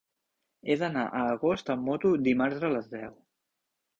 He d'anar a Agost amb moto dimarts a les deu.